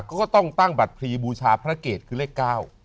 เขาก็ต้องตั้งบัตรพลีบูชาพระเกตคือเลข๙